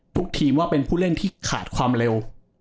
ทุกทีมว่าเป็นผู้เล่นที่ขาดความเร็ว